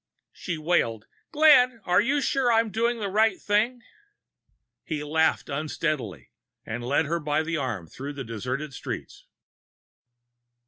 She wailed: "Glenn, are you sure I'm doing the right thing?" He laughed unsteadily and led her by the arm through the deserted streets.